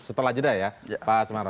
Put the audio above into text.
setelah jeda ya pak asmara